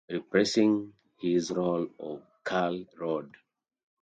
Reprising his role of Carl Rodd.